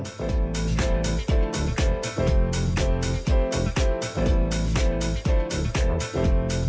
โปรดติดตามตอนต่อไป